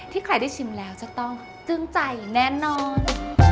ใครได้ชิมแล้วจะต้องจึ้งใจแน่นอน